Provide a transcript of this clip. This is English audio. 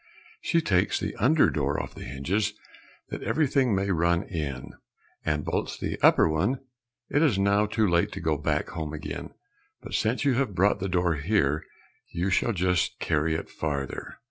She takes the under door off the hinges that everything may run in, and bolts the upper one. It is now too late to go back home again, but since you have brought the door here, you shall just carry it farther."